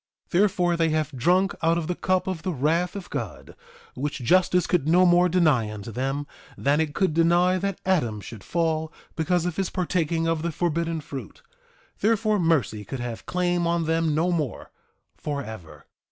3:26 Therefore, they have drunk out of the cup of the wrath of God, which justice could no more deny unto them than it could deny that Adam should fall because of his partaking of the forbidden fruit; therefore, mercy could have claim on them no more forever.